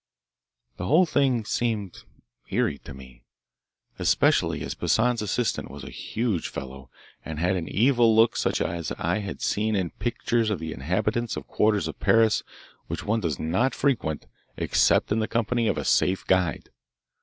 The whole thing seemed eerie to me especially as Poissan's assistant was a huge fellow and had an evil look such as I had seen in pictures of the inhabitants of quarters of Paris which one does not frequent except in the company of a safe guide.